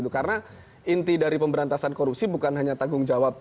karena inti dari pemberantasan korupsi bukan hanya tanggung jawab